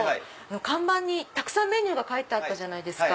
看板にたくさんメニューが書いてあったじゃないですか。